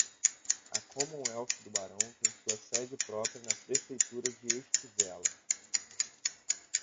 A Commonwealth do barão tem sua sede própria na prefeitura de Estivella.